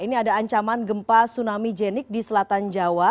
ini ada ancaman gempa tsunami jenik di selatan jawa